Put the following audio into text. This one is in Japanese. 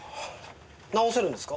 直せるんですか？